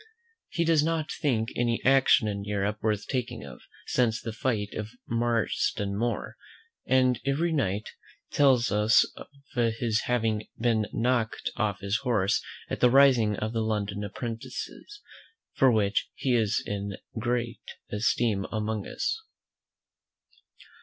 He does not think any action in Europe worth talking of, since the fight of Marston Moor; and every night tells us of his having been knocked off his horse at the rising of the London apprentices; for which he is in great esteem among us.